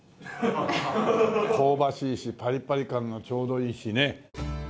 香ばしいしパリパリ感がちょうどいいしね。